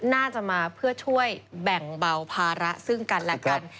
น่าจะมาเพื่อช่วยแบ่งเบาภาระซึ่งกันและกัน